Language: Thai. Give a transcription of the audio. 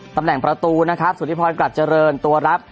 ตำแหน่งประตูนะครับสุธิพรกลัดเจริญตัวรับ